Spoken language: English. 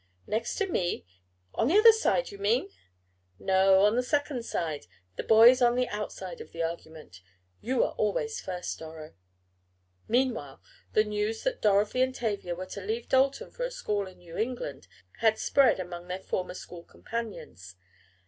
"Next to me? On the other side you mean?" "No, on the second side, the boy is on the outside of the argument. You are always first, Doro." Meanwhile the news, that Dorothy and Tavia were to leave Dalton for a school in New England, had spread among their former school companions.